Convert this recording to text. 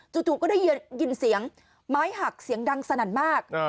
จู่ก็ได้ยินเสียงไม้หักเสียงดังสนั่นมาก